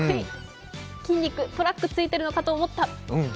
筋肉、トラックついてるのかと思った。